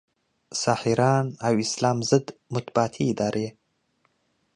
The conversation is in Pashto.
ساحران او اسلام ضد مطبوعاتي ادارې